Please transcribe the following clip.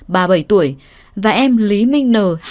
bà bảy tuổi và em lý minh ninh